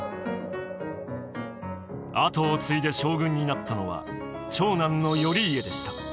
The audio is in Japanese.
跡を継いで将軍になったのは長男の頼家でした。